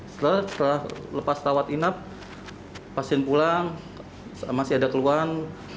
setelah lepas rawat inap pasien pulang masih ada keluhan